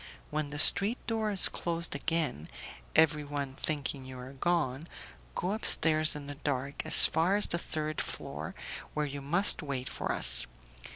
When the street door is closed again, everyone thinking you are gone, go upstairs in the dark as far as the third floor, where you must wait for us.